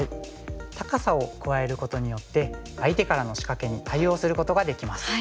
高さを加えることによって相手からの仕掛けに対応することができます。